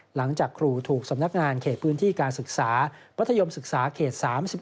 หลังจากครูถูกสำนักงานเขตพื้นที่การศึกษามัธยมศึกษาเขต๓๑